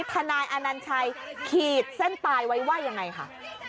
ทนายอนัญชัยขีดเส้นตายไว้ว่ายังไงค่ะ